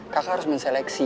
kakak harus menseleksi